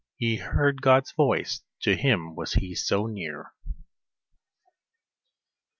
he heard God's voice, to Him was he so near.